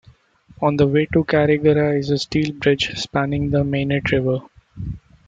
On the way to Carigara is a steel bridge spanning the Mainit River.